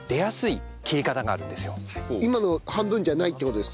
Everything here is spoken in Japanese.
今の半分じゃないって事ですか？